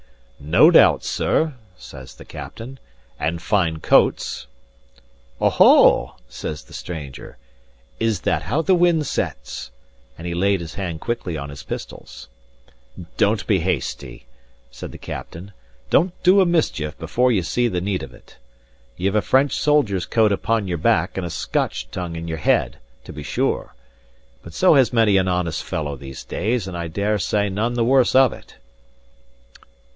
"No doubt, sir," says the captain, "and fine coats." "Oho!" says the stranger, "is that how the wind sets?" And he laid his hand quickly on his pistols. "Don't be hasty," said the captain. "Don't do a mischief before ye see the need of it. Ye've a French soldier's coat upon your back and a Scotch tongue in your head, to be sure; but so has many an honest fellow in these days, and I dare say none the worse of it."